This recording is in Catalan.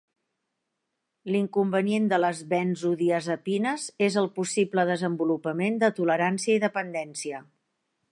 L'inconvenient de les benzodiazepines és el possible desenvolupament de tolerància i dependència.